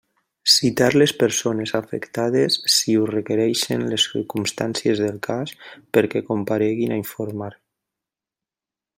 Citar les persones afectades, si ho requereixen les circumstàncies del cas, perquè compareguin a informar.